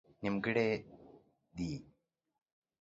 نيمګړئ دي